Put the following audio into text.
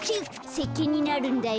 せっけんになるんだよ。